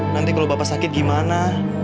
nanti kalau bapak sakit gimana